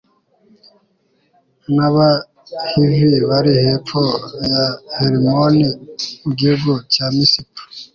n'abahivi bari hepfo ya herimoni mu gihugu cya misipa